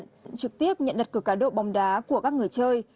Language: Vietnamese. trực tiếp nhận đặt cửa cá độ bóng đá của các người chơi